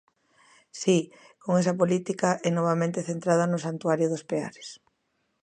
Si, con esa política, e novamente centrada no santuario dos Peares.